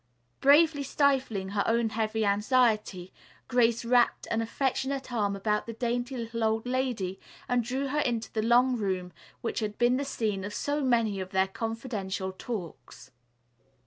Bravely stifling her own heavy anxiety, Grace wrapped an affectionate arm about the dainty little old lady and drew her into the long room which had been the scene of so many of their confidential talks.